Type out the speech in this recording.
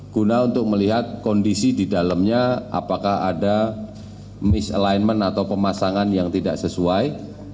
guna untuk melihat kondisi di dalamnya apakah ada mis alignment atau pemasangan yang tidak sesuai